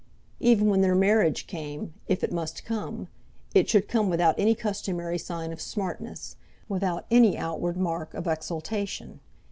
Even when their marriage came, if it must come, it should come without any customary sign of smartness, without any outward mark of exaltation.